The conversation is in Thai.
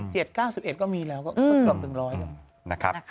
ตอนนี้๘๗๙๑ก็มีแล้วก็เกือบ๑๐๐อย่างนึงนะครับ